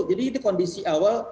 jadi itu kondisi awal